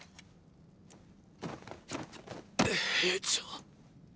兵長。